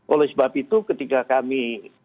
oleh sebab itu ketika kami